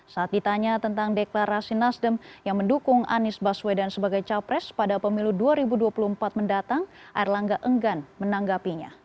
saat ditanya tentang deklarasi nasdem yang mendukung anies baswedan sebagai capres pada pemilu dua ribu dua puluh empat mendatang erlangga enggan menanggapinya